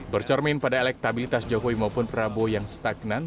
bercermin pada elektabilitas jokowi maupun prabowo yang stagnan